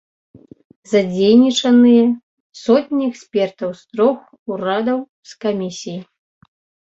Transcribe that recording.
Задзейнічаныя сотні экспертаў з трох урадаў, з камісіі.